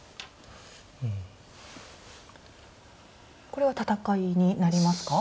これは戦いになりますか？